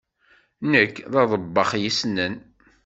Nekk d aḍebbax yessnen.